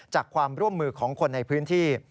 จากความร่วมมือของคนในพื้นที่